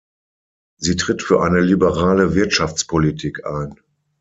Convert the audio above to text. Sie tritt für eine liberale Wirtschaftspolitik ein.